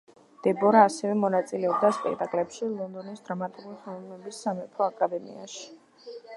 დებორა ასევე მონაწილეობდა სპეკტაკლებში ლონდონის დრამატული ხელოვნების სამეფო აკადემიაში.